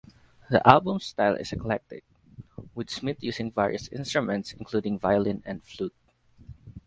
The album's style is eclectic, with Smith using various instruments including violin and flute.